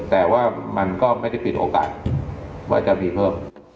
แต่ว่ามันก็ไม่ได้ปิดโอกาสว่าจะมีเพิ่ม